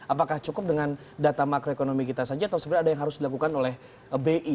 apakah cukup dengan data makroekonomi kita saja atau sebenarnya ada yang harus dilakukan oleh bi